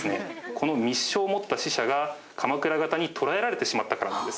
この密書を持った使者が鎌倉方に捕らえられてしまったからなんですね。